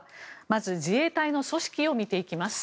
まず自衛隊の組織を見ていきます。